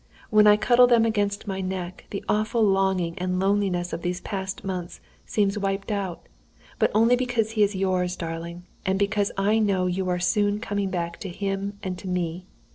When I cuddle them against my neck, the awful longing and loneliness of these past months seem wiped out. But only because he is yours, darling, and because I know you are soon coming back to him and to me.